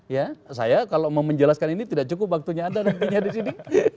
ya saya kalau mau menjelaskan ini tidak cukup waktunya anda nantinya di sini